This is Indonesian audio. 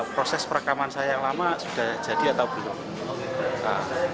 proses perekaman saya yang lama sudah jadi atau belum